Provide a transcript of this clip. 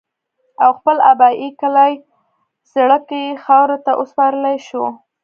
او خپل ابائي کلي زَړَه کښې خاورو ته اوسپارلے شو